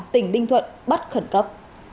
tỉnh đinh thuận bắt khẩn cấp